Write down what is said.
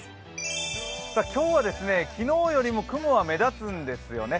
今日は昨日よりも雲は目立つんですよね。